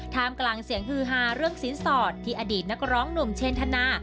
มกลางเสียงฮือฮาเรื่องสินสอดที่อดีตนักร้องหนุ่มเชนธนา